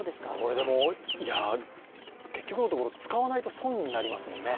結局のところ、使わないと損になりますもんね。